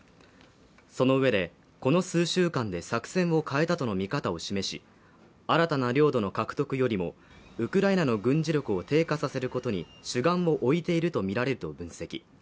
その上で、この数週間で作戦を変えたとの見方を示し、新たな領土の獲得よりも、ウクライナの軍事力を低下させることに主眼を置いているとみられると分析。